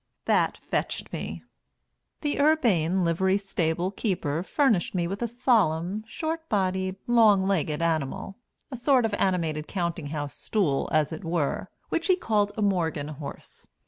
That "fetched me." The urbane livery stable keeper furnished me with a solemn, short bodied, long legged animal a sort of animated counting house stool, as it were which he called a "Morgan" horse.